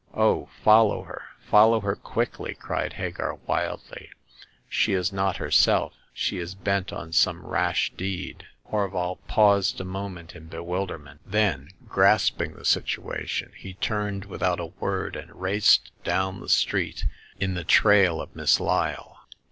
''Oh, follow her — follow her quickly 1 '' cried Hagar, wildly ;she is not herself ; she is bent on some rash deed !*' Horval paused a moment in bewilderment ; then, grasping the situation, he turned, without a word, and raced down the street in the trail of Miss Lyle.